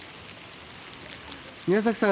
宮崎さん。